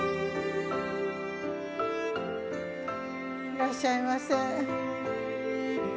いらっしゃいませ。